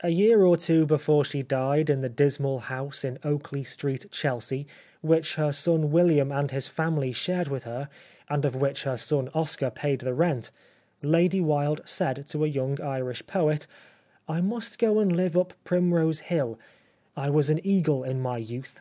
A year or two before she died in the dismal house in Oakley Street, Chelsea, which her son William and his family shared with her, and of which her son Oscar paid the rent, Lady Wilde said to a young Irish poet :" I must go and live up Primrose Hill; I was an eagle in my youth."